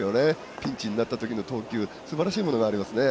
ピンチになったときの投球すばらしいものがありますね。